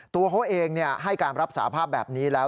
ตัวเขาเองให้การรับสาภาพแบบนี้แล้ว